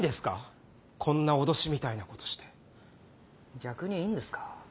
逆にいいんですか？